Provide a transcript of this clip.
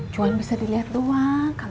cuman bisa diliat doang